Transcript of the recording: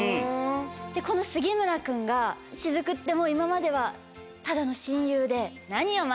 この杉村君が雫って今まではただの親友で何よ。